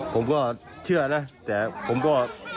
ผมก็เชื่อนะแต่ผมก็